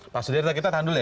pak sudir kita tandul ya